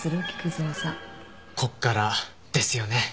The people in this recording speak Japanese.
こっからですよね。